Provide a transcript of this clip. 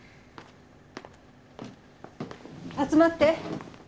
集まって。